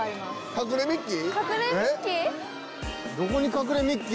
隠れミッキー？